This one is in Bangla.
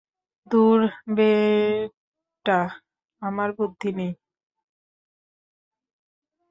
দূর বেটিা আমার বুদ্ধি নেই।